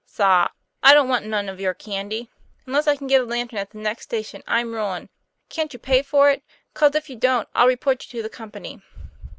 'Sah! I doesn't want none of your candy. Un less I can get a lantern at the next station I'm ruined. Can't you pay for it? 'cos if you don't, I'll report you to the company."